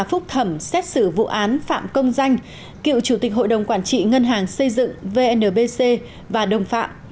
phúc thẩm xét xử vụ án phạm công danh cựu chủ tịch hội đồng quản trị ngân hàng xây dựng vnpc và đồng phạm